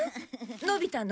のび太の？